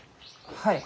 はい。